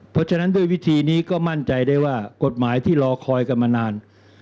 เพราะฉะนั้นด้วยวิธีนี้ก็มั่นใจได้ว่ากฎหมายที่รอคอยกันมานาน